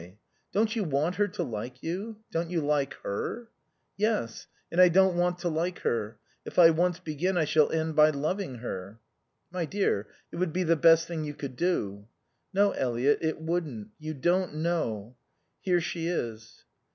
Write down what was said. Don't you want her to like you? Don't you like her?" "Yes. And I don't want to like her. If I once begin I shall end by loving her." "My dear, it would be the best thing you could do." "No, Eliot, it wouldn't. You don't know.... Here she is."